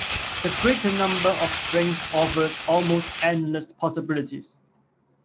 The greater number of strings offers almost endless possibilities.